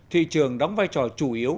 thị trường đóng vai trò chủ yếu